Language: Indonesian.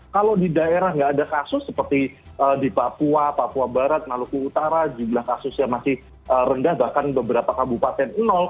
kalau di daerah nggak ada kasus seperti di papua papua barat maluku utara jumlah kasusnya masih rendah bahkan beberapa kabupaten nol